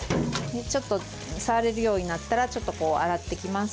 ちょっと触れるようになったら洗っていきます。